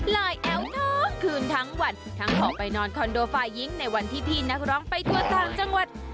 ไหลแอวท้องคืนทั้งวันทั้งพอไปนอนคอนโดไฟล์ยิงในวันที่พี่นักร้องไปตัวต่างจังหวัด